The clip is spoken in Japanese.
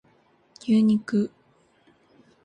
牛肉